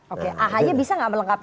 oke ah nya bisa gak melengkapi itu